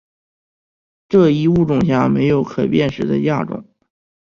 这一物种下没有可辨识的亚种。